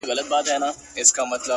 سیاه پوسي ده ـ ستا غمِستان دی ـ